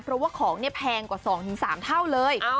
เพราะว่าของเนี่ยแพงกว่า๒๓เท่าเลย